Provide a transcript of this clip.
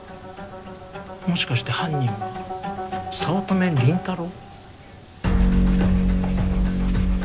もしかして犯人は早乙女倫太郎？